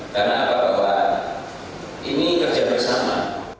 karena apa bahwa ini kerja bersama